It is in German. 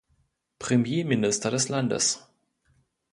Premierminister des Landes.